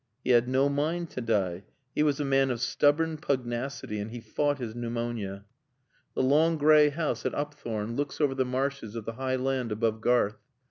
He had no mind to die: he was a man of stubborn pugnacity and he fought his pneumonia. The long gray house at Upthorne looks over the marshes of the high land above Garth.